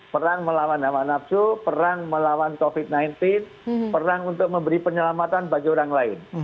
perang melawan nama nafsu perang melawan covid sembilan belas perang untuk memberi penyelamatan bagi orang lain